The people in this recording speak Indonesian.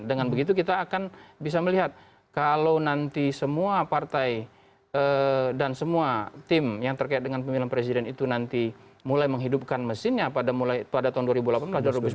dengan begitu kita akan bisa melihat kalau nanti semua partai dan semua tim yang terkait dengan pemilihan presiden itu nanti mulai menghidupkan mesinnya pada tahun dua ribu delapan belas dua ribu sembilan belas